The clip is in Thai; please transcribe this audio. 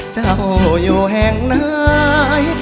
เจ้าอยู่แห่งไหน